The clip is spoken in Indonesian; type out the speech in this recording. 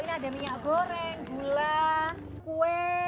ini ada minyak goreng gula kue